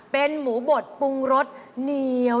เป็นหมูบดปรุงรสเหนียว